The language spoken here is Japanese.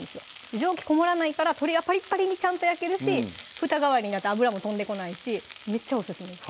蒸気こもらないから鶏はパリパリにちゃんと焼けるしふた代わりになって油も飛んでこないしめっちゃオススメです